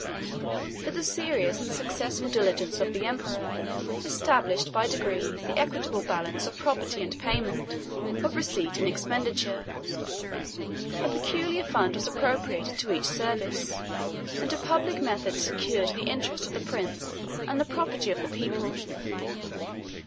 But the serious and successful diligence of the emperor established by degrees the equitable balance of property and payment, of receipt and expenditure; a peculiar fund was appropriated to each service; and a public method secured the interest of the prince and the property of the people.